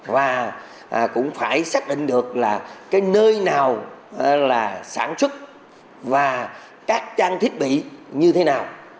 và cũng phải xác định được là cái nơi nào là sản xuất và các trang thiết bị như thế nào